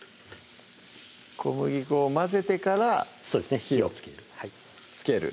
小麦粉を混ぜてから火をつける